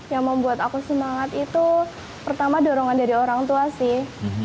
yang membuat aku semangat itu pertama dorongan dari orang tua sih